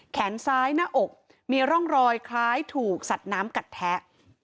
แขนซ้ายหน้าอกมีร่องรอยคล้ายถูกสัตว์น้ำกัดแทะ